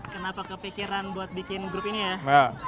kenapa kepikiran buat bikin grup ini ya